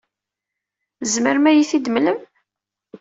Tzemrem ad iyi-t-id-temlem?